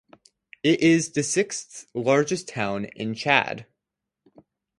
It is the sixth largest town in Chad.